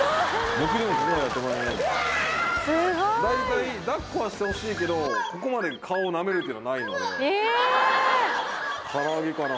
僕でも大体だっこはしてほしいけどここまで顔を舐めるっていうのはないので唐揚げかな？